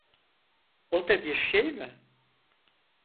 O da bir şey mi?